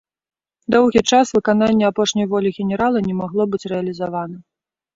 Доўгі час выкананне апошняй волі генерала не магло быць рэалізавана.